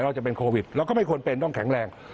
เราจะเป็นโควิดเราก็ไม่ควรเป็นต้องแข็งแรง